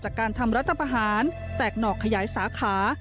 จากการทำรัฐพยาบาลแตกหนอกขยายสาขา